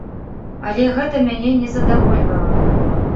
Але гэта мяне не задавольвала.